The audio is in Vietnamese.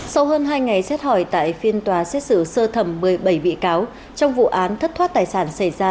sau hơn hai ngày xét hỏi tại phiên tòa xét xử sơ thẩm một mươi bảy bị cáo trong vụ án thất thoát tài sản xảy ra